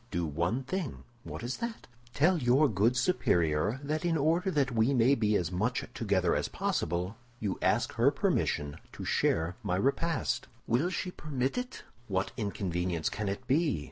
"Do one thing." "What is that?" "Tell your good superior that in order that we may be as much together as possible, you ask her permission to share my repast." "Will she permit it?" "What inconvenience can it be?"